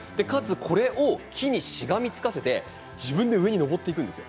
これを、木にしがみつかせて自分で上っていくんです。